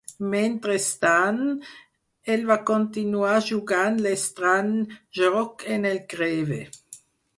Mentrestant, ell va continuar jugant l'estrany joc en el Crewe.